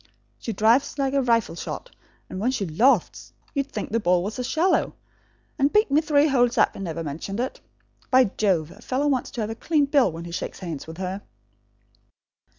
She drives like a rifle shot, and when she lofts, you'd think the ball was a swallow; and beat me three holes up and never mentioned it. By Jove, a fellow wants to have a clean bill when he shakes hands with her!"